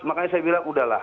makanya saya bilang udahlah